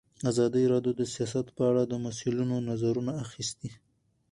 ازادي راډیو د سیاست په اړه د مسؤلینو نظرونه اخیستي.